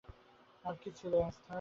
আর কী ছিল, এস্থার?